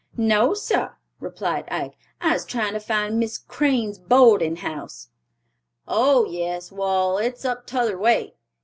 "No, sar," replied Ike. "I's tryin' to find Miss Crane's boardin' house." "Oh, yes; wall, it's up t'other way.